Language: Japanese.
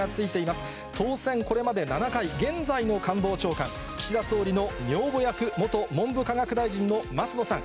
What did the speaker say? これまで７回、現在の官房長官、岸田総理の女房役、元文部科学大臣の松野さん。